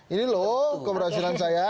ini loh keberhasilan saya